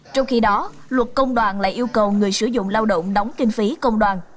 trong khi đó luật công đoàn lại yêu cầu người sử dụng lao động đóng kinh phí công đoàn